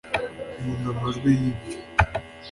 nkunda amajwi yibyo